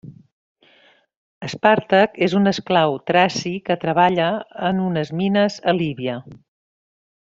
Espàrtac és un esclau traci que treballa en unes mines a Líbia.